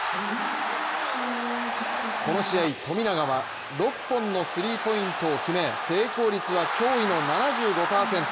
この試合、富永は６本のスリーポイントを決め成功率は驚異の７５％。